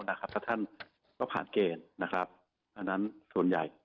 แต่ท่านก็ผ่านเกณฑ์นะครับอันนั้นส่วนใหญ่